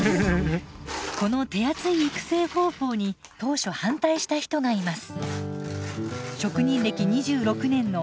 この手厚い育成方法に当初反対した人がいます。